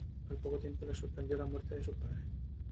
Al poco tiempo le sorprendió la muerte de su padre.